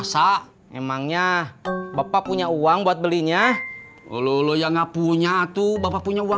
sampai jumpa di video selanjutnya